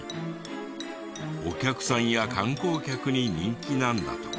お客さんや観光客に人気なんだとか。